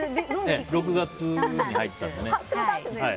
６月に入ったのでね。